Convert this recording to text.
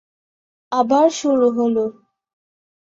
আবার শুরু হলো!